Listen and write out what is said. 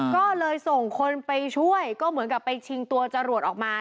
ก็เลยส่งคนไปช่วยก็เหมือนกับไปชิงตัวจรวดออกมา